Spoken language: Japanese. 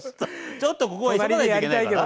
ちょっとここは急がないといけないかな。